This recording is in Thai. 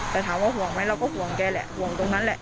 แต่ถามว่าห่วงไหมเราก็ห่วงแกแหละห่วงตรงนั้นแหละ